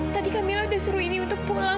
tadi kamila udah suruh indi untuk pulang